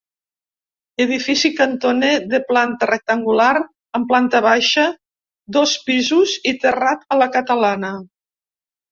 Edifici cantoner de planta rectangular amb planta baixa, dos pisos i terrat a la catalana.